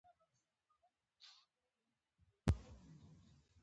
هلک د خندا تمثیل دی.